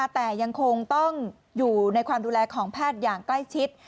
แต่ยังคงต้องอยู่ในความดูแลของแพทย์อย่างใกล้ชิด